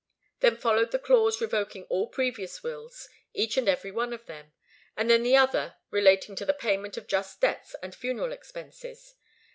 Then followed the clause revoking all previous wills, each and every one of them; and then the other, relating to the payment of just debts and funeral expenses.